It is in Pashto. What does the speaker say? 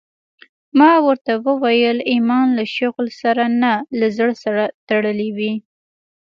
ما ورته وويل ايمان له شغل سره نه له زړه سره تړلى وي.